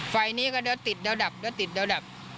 ไฟนี้ก็เดี๋ยวติดเดี๋ยวดับเดี๋ยวติดเดี๋ยวดับ